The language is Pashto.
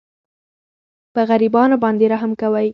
په غریبانو باندې رحم کوئ.